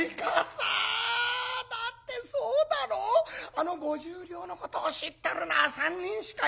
あの５０両のことを知ってるのは３人しかいない。